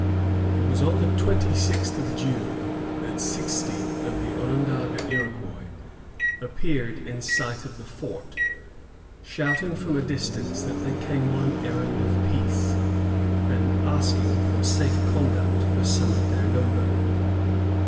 It was on the twenty sixth of June that sixty of the Onondaga Iroquois appeared in sight of the ioxty shouting from a distance that they came on an errand of peace, and asking safe conduct for some of their number.